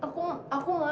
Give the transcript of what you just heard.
kamu gak nyamuk lagi sih